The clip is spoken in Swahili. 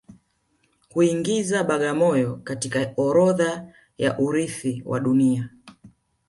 Kuingiza Bagamoyo katika orodha ya urithi wa Dunia